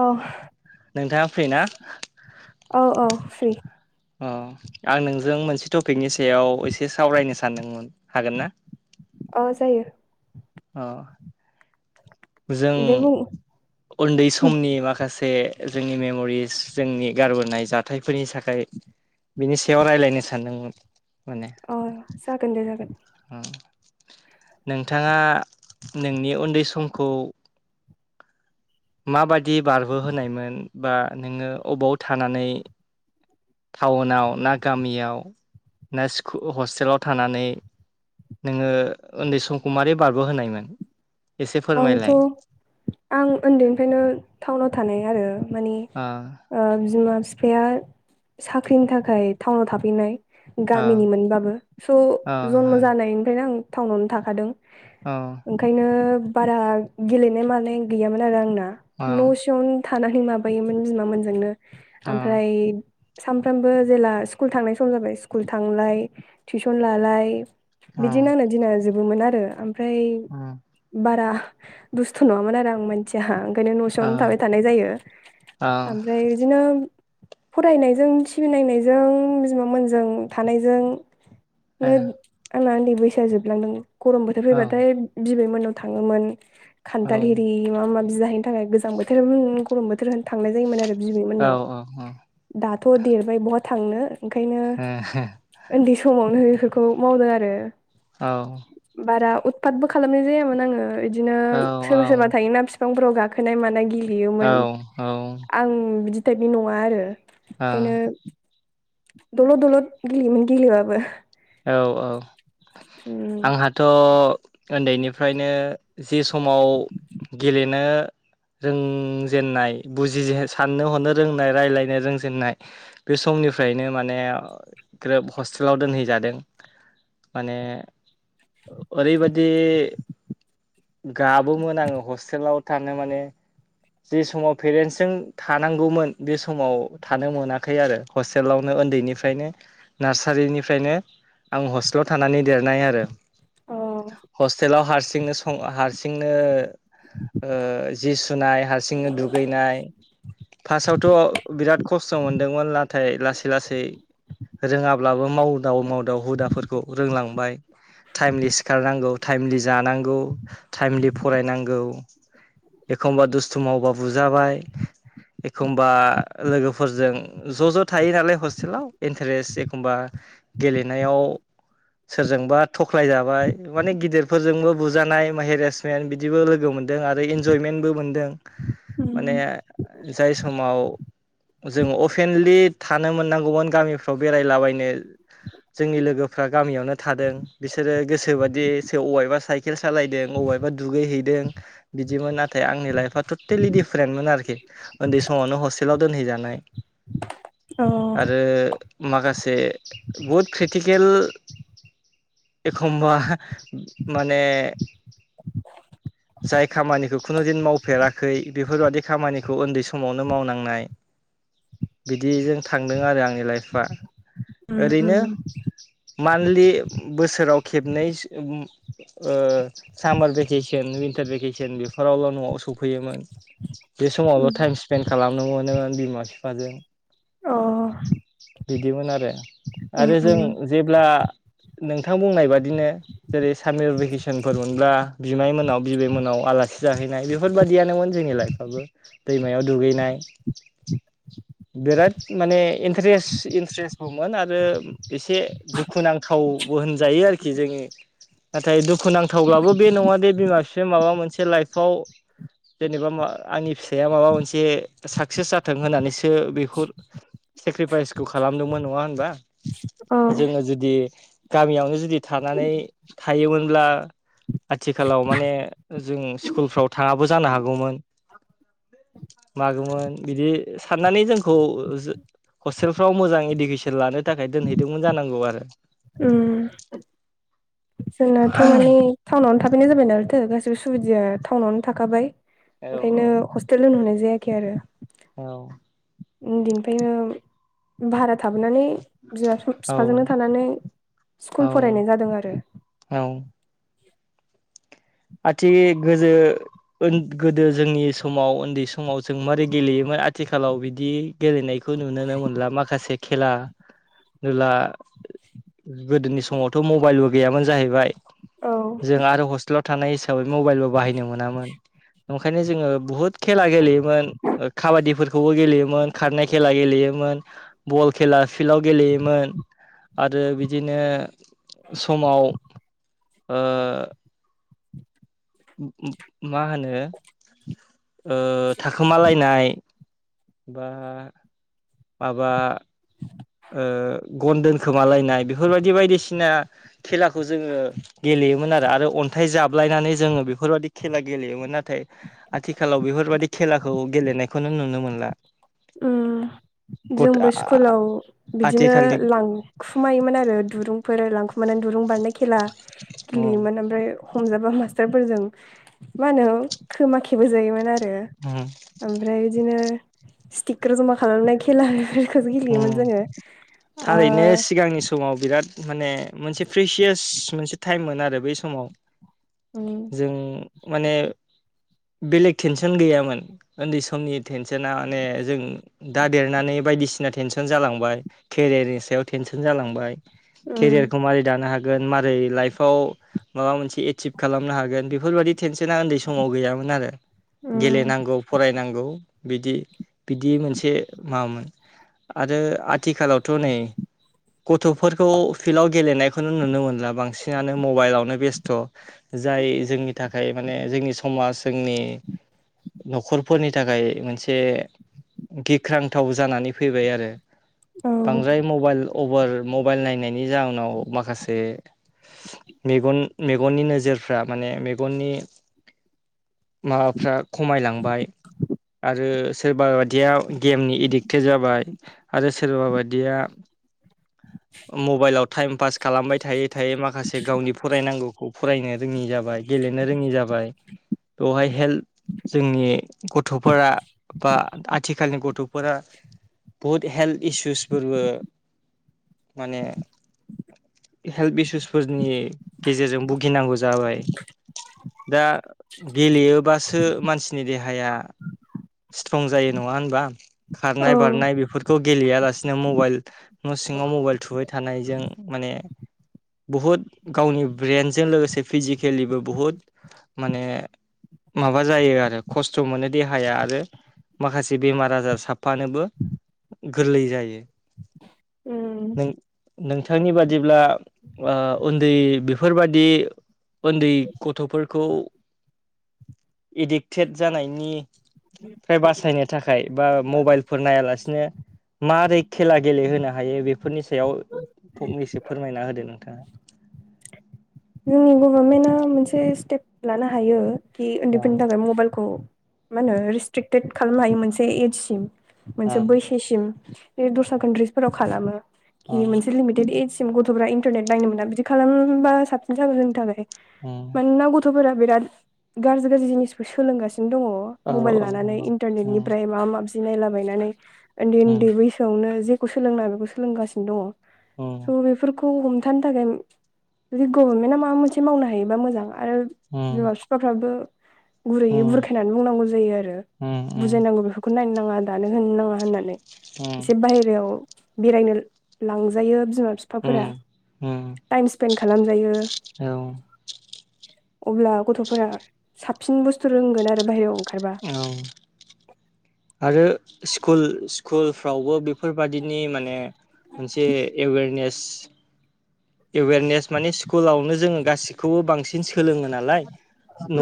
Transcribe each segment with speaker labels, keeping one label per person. Speaker 1: ओह
Speaker 2: नोंथांआ फ्रि ना
Speaker 1: औ औ फ्रि
Speaker 2: ओ आं नोंजों मोनसे टपिकनि सायाव एसे सावरायनो सानदोंमोन हागोन ना?
Speaker 1: ओह जायो
Speaker 2: आह जों
Speaker 1: दे बुं
Speaker 2: उन्दै समनि माखासे जोंनि मेम'रिस जोंनि गारबोनाय जाथायफोरनि साखाय बिनि सायाव रायज्लायनो सानदोंमोन माने
Speaker 1: ओ जागोन दे जागोन
Speaker 2: नोंथांआ नोंनि उन्दै समखौ माबायदि बारबो'होनायमोन बा नोङो अबाव थानानै टाउनाव ना गामियाव ना स्कु हस्टेलाव थानानै नोङो उन्दै समखौ मारै बारबो होनायमोन
Speaker 1: आंथ' आं ओन्दैनिफ्रायनो टाउनाव थानाय आरो मानि ओ बिमा बिफाआ साख्रिनि थाखाय टाउनाव थाफैनाय गामिनिमोनबाबो स' जनम जानायनिफ्रायनो आं टाउनावनो थाखादों हो ओंखायनो बारा गेलेनाय मानाय गैयामोन आरो आंना न'सिंआवनो थानानै माबायोमोन बिमामोनजोंनो ओमफ्राय सानफ्रामबो जेला स्कुल थांनाय सम जाबाय स्कुल थांलाय टिसन लालाय बिदिनो आंना दिना जोबोमोन आरो ओमफ्राय बारा दुस्थ' नङामोन आरो आं मानसिआ ओंखायनो न'सिंआवनो थाबाय थानाय जायो ओमफ्राय बिदिनो फरायनायजों टिभि नायनायजों बिमामोनजों थानायजों नो आंना उन्दै बैसोआ जोबलांदों गरम बोथोर फैबाथाय बिबै मो थाङोमोन खान्थाल हिरि माबा माबि जाहैनो थाखाय गोजां बोथोर उम गरम बोथोर होन थांनाय जायोमोन आरो बिबै मोननाव दा थ' देरबाय बहा थांनो ओंखायनो उन्दै समावनो बेफोरखौ मावदों आरो
Speaker 2: औ
Speaker 1: बारा उतफाथबो खालामनाय जायामोन आङो इदिनो सोरबा सोरबा थायोना बिफांफोराव गाखोनाय मानाय गि गेलेयोमोन आं बिदि टाइपनि नङा आरो ओंखायनो दलद दलद गेलेयोमोन गेलेबाबो
Speaker 2: औ औ
Speaker 1: उम
Speaker 2: आंहाथ' ओन्दैनिफ्रायनो जे समाव गेलेनो रोंजेननाय बुजि साननो हनो रोंनाय रायलायनो रोंजेननाय बे सम निफ्रायनो माने ग्रोब हस्टेलाव दोनहैजादों माने ओरैबादि ओ गाबोमोन आङो हस्टेलाव थानो माने जे समाव पेरेन्टस जों थानांगौमोन बे समाव थानो मोनाखै आरो हस्टेलावनो ओन्दैनिफ्रायनो नार्सारिनिफ्रायनो आं हस्टेलाव थानानै देरनाय आरो
Speaker 1: अ
Speaker 2: हस्टेलाव हारसिं हारसिंनो सं हारसिंनो जि सुनाय हारसिंनो दुगैनाय फार्स्टावथ' बिराद खस्थ' मोनदोंमोन। नाथाय लासै लासै रोङाब्लाबो मावदाव माव हुदाफोरखौ रोंलांबाय टाइमलि सिखारनांगौ। थाइमलि जांगौ थाइमलि फरायनांगौ एखनबा समावबा बुजाबाय एखमबा लोगोफोरजों ज' ज' थायो नालाय हस्टेलाव इन्टारेस्ट एखमबा गेलेनायाव सोरजोंबा थख्लाय जाबाय माने गिदिरफोरजोंबो बुजानाय हेरेसमेन्ट बिदिबो लोगो मोन दों आरो इनजयमेन्बो मोन माने
Speaker 1: उम
Speaker 2: जाय समाव। जों अपेनलि थानो मोननांगौमोन गामिफ्राव बेरायलाबायनो जोंनि लोगोफ्रा गामियावनो थादों बिसोरो गोसो बायदि अबेबा साइकेल सालायदों अबेबा ओ दुगै हैदों। बिदिमोन आंनि लाइफथ टलिडिफारेन्टमोन आरोखि उन्दै समावनो हस्टेलाव दोनहैजानाय।
Speaker 1: अ
Speaker 2: आरो माखासे बुहुद क्रिटिकेल एखम्बा माने जाय खामानिखौ खुनु दिन मावफेरा खै बेफोरबादि खामानिखौ उन्दै समावनो मावनांनाय। बिदिजों थांदों आरो आंनि लाइफआ।
Speaker 1: ओम ओम।
Speaker 2: मान्दलि बोसोराव खेबनै सो ओ सामार भेकेसन। भेकेसन बेफोरावल'आव न'आव‌ स फैयोमोन बे समावलबो टाइम स्पेन्ड खालामनो मोनोमोन बिमा बिफाजों।
Speaker 1: अ
Speaker 2: बिदिमोन आरो
Speaker 1: उम
Speaker 2: आरो जों
Speaker 1: उम
Speaker 2: जेब्ला नोंथां बुंनाय बादिनो जेरै सामेर भेकेसनफोर मोनब्ला बिमाय मोनाव बिबैमोनाव आलासि जाहैनाय बेफोरबायाददियानोन जोंनि लाइफाबबो दैमायाव दुगैनाय। [inaudible] बिराद माने इन्टारेस्ट इन्ट्रेस्टबोमोन आरो एसे दुखुुनांथाव। बो होनजायो आरोखि जोङो। नाथाय दुखुुनांथावब्लाबो बे नङा दे बिमा बिफाया माबा मोनसे लाइफआव जेनेबा मा आंनि फिसाया माबा मोनसे साक्सेस जाथों होननानैसो बेखौ सेक्रिफाइसखौ खालामदोंमोन नङा होनबा
Speaker 1: अ
Speaker 2: जोङो जुदि गामियावनो जुदि थानानै थायोमोनब्ला आथिखालाव माने जों स्कुलफ्राव थाङाबो जानो हागौमोन। मागौमोन बिदि साननानै जोंखौ जो हस्टेलफ्राव मोजां इडुकेसन लानो थाखाय दोनहैदोंमोन जानांगौ आरो।
Speaker 1: ओम। जोंनाथ' माने टाउनावनो थाफैनाय जाबाय आरोथ' गासिबो सुबिदाया टाउनावनो थाखाबाय।
Speaker 2: औ
Speaker 1: ओंखायनो हस्टेल होन दोनहरनाय जायाखै आरो।
Speaker 2: औ।
Speaker 1: उन्दैनिफ्रायनो भारा थाब बोनानै
Speaker 2: औ
Speaker 1: बिफाजोंनो थानानै स्कुल फरायनाय
Speaker 2: औ
Speaker 1: जादों आरो।
Speaker 2: औ। आथि गोजो गोदो जोंनि समाव उन्दै समाव जों मारै गेलेयोमोन। आथिखालाव बिदि गेलेनाय खौ नुनो मोनला माखासे खेला दुहला गोदोनि स समावथ' मबाइलबो गैयामोन जाहैबाय
Speaker 1: औ
Speaker 2: जों आरो हस्टेलाव थानाय हिसाबै मबाइलबो बाहायनो मोनामोन। ओंखायनो जोङो बुहुत खेला गेलेयोमोन ओ खाबादिफोरखौबो गेलेयोमोन खारनाय खेला गेलेयोमोन। बल खेला फिल्डआव गेलेयोमोन। आरो बिदिनो समाव ओ मा होनो ओ थाखोमालायनाय। बा माबा। ओ गन दोनखोमालायनाय बेफोरबायदि बायदिसिना खेलाखौ जोङो गेले। गेलेयोन आरो आरो अन्थाइ जाबलायनानै जोङो बेफोरबादि खेला गेलेयोमोन नाथाय आथिखालाव बेफोरबायदि। बे खेलाखौ गेलेनायखौनो नुनो मोनला।
Speaker 1: ओम
Speaker 2: गथ
Speaker 1: जोंबो स्कुलाव। बिदिनो
Speaker 2: आथिखालनि
Speaker 1: लांखुमायोमोन आरो दुरुंफोर लांखुमानानै दुरुं बारनाय खेला।
Speaker 2: उम
Speaker 1: गेलेयोमोन ओमफ्राय। हमजाबा मास्टारफोरजों मा होनो? खोमाखेबहो जायोमोन आरो, आरो
Speaker 2: उम
Speaker 1: ओमफ्राय बिदिनो स्टिकारजों मा खालामनाय खेला [unintelligible]
Speaker 2: ओम,
Speaker 1: जोङो ओ
Speaker 2: थारैनो सिगांनि समाव बिराद, माने, मोनसे प्रिसियास मोनसे टाइममोन आरो बै समाव।
Speaker 1: उम
Speaker 2: जों माने, बेलेग टेनसन गैयामोन उन्दै समनि टेनसना माने जों दा देरनानै, बायदिसिना टेनसन जालांबाय केरियारनि सायाव टेनसन जालांबाय,
Speaker 1: उम
Speaker 2: केरियारखौ माबारै दानो हागोन माबारै लाइफआव माबा मोनसे एसिभ, खालामनो हागोन बेफोर। बायदि टेनसना उन्दै समाव गैयामोन आरो
Speaker 1: उम
Speaker 2: गेलेनांगौ फरायनांगौ बिदि मोनसे माबामोन। आरो आथिखालावथ' नै- गथ'फोरखौ फिल्डआव गेलेनायखौनो नुनो मोनला बांसिनानो मबाइलावनो बेस्थ', जाय जोंनि थाखाय माने, जोंनि समाज जोंनि, न'खरफोरनि थाखाय मोनसे, गिख्रांथाव जानानै फैबाय आरो,
Speaker 1: औ
Speaker 2: बांद्राय मबाइल अभार मबाइल नायनायनि जााहोनाव माखासे - मेगन मेगननि नोजोर- फ्रा माने मेगननि, माबाफ्रा खमायलांबाय, आरो सोरबा बादिया, गेमनि एडिक्टेड जाबाय आरो सोरबा बादिया, [inaudible] मबाइलाव टाइम पास खालामबाय थायै-थायै माखासे गावनि फरायनांगौखौ फरायनो- रोङि जाबाय, गेलेनो रोङि जाबाय, बेवहाय हेल्थ- जोंनि गथ'फोरा बा आथिखालनि गथ'फोरा- बहुद हेल्थ इसुसफोरबो, माने, हेल्थ इसुसफोरनि गेजेरजों भुगिनांगौ जाबाय, दा गेलेयोबासो मानसिनि देहाया- स्ट्रं जायो नङा होनबा?
Speaker 1: औ
Speaker 2: खारनाय बारनाय बेफोरखौ गेलेयालासिनो मबाइल, न' सिङाव मबाइल थुबाय, थानायजों माने, बहुद गावनि ब्रेनजों लोगोसे - फिजिकेलिबो बुहुद माने, माबा जायो आरो खस्थ' मोनो देहाया आरो- माखासे बेमार-आजार साफानोबो, गोरलै जायो।
Speaker 1: ओम,
Speaker 2: नों नोंथांनि बादिब्ला, ओ उन्दै बेफोरबायदि, उन्दै गथ'फोरखौ - एडिक्टेड जानायनि- -फ्राय बासायनो थाखाय बा मबाइलफोर नायालासिनो, माबोरै खेला गेलेहोनो हायो? बेफोरनि सायाव फंनैसो फोरमायना होदो नोंथाङा। [inaudible]
Speaker 1: [unintelligible] गभारमेन्टआ मोनसे स्टेप लानो हायो। कि
Speaker 2: ओ
Speaker 1: उन्दैफोरनि थाखाय मबाइलखौ- मा होनो रिस्ट्रिकटेड खालामनो हायो, मोनसे एजसिम,
Speaker 2: ओ
Speaker 1: मोनसे बैसोसिम। बे दस्रा कन्ट्रिसफोराव खालामो।
Speaker 2: ओ
Speaker 1: कि मोनसे लिमिटेद एज- गथ'फ्रा इन्टारनेट बायनो मोना बिदि खालाममोनबा साबसिन जागौ, जोंनि थाखाय।
Speaker 2: उम
Speaker 1: मानोना गथ'फोरा बिराद गाज्रि गाज्रि जिनिसखौ सोलोंगा दङ,
Speaker 2: औ
Speaker 1: मबाइल
Speaker 2: औ
Speaker 1: लानानै
Speaker 2: नंगौ उम
Speaker 1: इन्टारनेटनिफ्राय माबा-माबि नायलाबायनानै उन्दै उन्दै बैसोआवनो जेखौ सोलोंना बेखौ सोलोंगासिनो दङ।
Speaker 2: उम
Speaker 1: स' बेफोर खौ हमथानो थाखाय जुदि गभर्नमेन्टआ माबा मोनसे मावनो हायोबा मोजां। आरो
Speaker 2: उम
Speaker 1: बिमा-बिफाफ्राबो
Speaker 2: उम
Speaker 1: गुरैयै बुरखायनानै बुंनांगौ जायो आरो,
Speaker 2: उम
Speaker 1: बुजायनांगौ बेफोरखौ नायनो ना नाङा दानो होननानै एसे बायहेरायाव बेनो लांजायो बिमा-बिफाफोरा
Speaker 2: उम
Speaker 1: टाइमसफेन खालाम
Speaker 2: औ
Speaker 1: अब्ला गथ'फोरा साबसिन बुस्थु रोंगोन आरो बाहेरायाव ओंखारबा
Speaker 2: औ आरो स्कुल स्कुलफ्रावबो बे बेफोरबादिनि माने मोनसे एवेरनेस एवेरनेस माने स्कुलावनो जोङो गासि खौबो बांसिन सोलोङो नालाय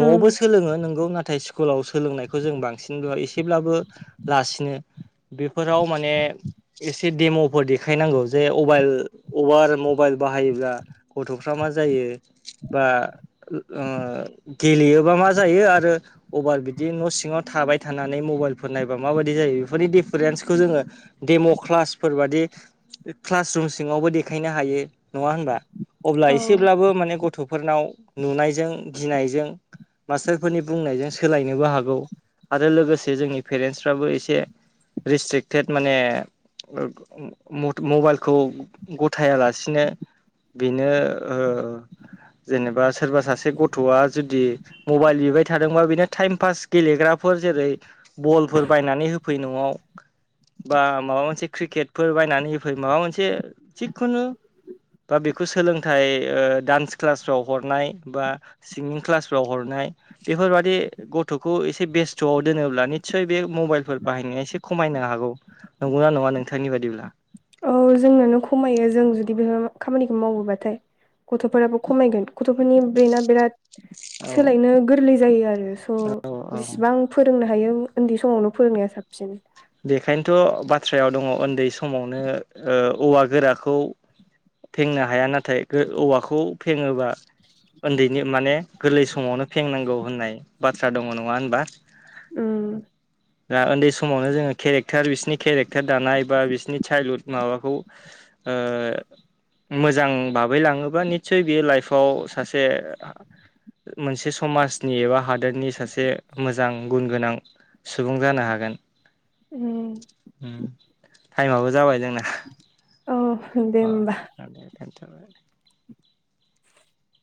Speaker 1: उम
Speaker 2: सोलोङो नोंगौ ना नाथाय स्कुलाव सोलोंनायखौ जों बांसिन एसेब्लाबो लासिनो बेफोराव माने एसे देम'फोर देखायनांगौ जे अबाइल अभार मबाइल बाहायोब्ला गथ'फ्रा मा जायो बा ओह गेलेयोबा मा जायो आरो अबार बिदि न' सिङाव थाबाय थानानै मबाइलफोर नायबा माबायदि जायो बेफोरनि दे पेरेन्सखौ जोङो डेम' क्लासफोर बादि क्लास रुम सिङावबो देखायनो हायो। नङा होनबा अब्ला
Speaker 1: औ
Speaker 2: एसेब्लाबो माने ग गथ'फोरनाव नुनायजों गिनायजों मास्टारफोरनि बुंनायजों सोलायनोबो हागौ आरो लोगोसे जोंनि पेरेन्टसफ्राबो एसे रेस्ट्रिकटेड माने ओह मबाइलखौ गथायालासिनो बेनो ओह जेनेबा सोरबा सासे गथ'आ जुदि मबाइल बिबाय थादोंबा बिनो टाइम पास गेलेग्राफोर जेरै बलफोर बायनानै होफै न' आव बा माबा मोनसे क्रिकेटफोर बायनानै हो फै माबा मोनसे जिखुनु बा बेखौ सोलोंथाइ ओ डान्स क्लासफ्राव हरनाय बा सिंगिं क्लासफ्राव हरनाय बेफोरबादि गथ'खौ एसे बेस्थ'आव दोनोब्ला निसय बे मबाइलफोर बाहायनाया एसे खमायना हागौ नंगौना नङा नोंथांनि बायदिब्ला
Speaker 1: औ जोंनावनो खमायो जों जुदि बेफोर खामानिखौ मावोबाथाय गथ'फोराबो खमायगोन गथ'फोरनि ब्रेना बिराद
Speaker 2: औ
Speaker 1: सोलायनो गोरलै जायो आरो स'
Speaker 2: औ औ
Speaker 1: जेसेबां फोरोंङो थायो उन्दै समावनो फोरोंनाया साबसिन
Speaker 2: बेखायनोथ' बाथ्रायाव दङ उन्दै समावनो ओ औवा गोराखौ फेंनो हाया नाथाय औवाखौ फेङोबा उन्दैनि माने गोरलै समावनो फेंनांगौ होननाय बाथ्रा दङ नङा होनबा
Speaker 1: उम
Speaker 2: दा उन्दै समावनो जोङो केरेक्टार बिसिनि केरेक्टार दानाय बा बिसोरनि चाइल्हुद माबाखौ ओह मोजां भाबै लाङोबा निस्सय बेयो लाइफआव सासे मोनसे समाजनि एबा हादोरनि सासे मोजां गुन गोनां सुबुं जानो हा गोन
Speaker 1: उम
Speaker 2: उ टाइमाबो जाबाय जोंना
Speaker 1: औ दे होमबा
Speaker 2: अ दे थाथ' [unintelligible]